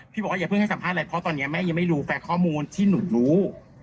บอกว่าอย่าเพิ่งให้สัมภาษณ์อะไรเพราะตอนนี้แม่ยังไม่รู้แฟร์ข้อมูลที่หนูรู้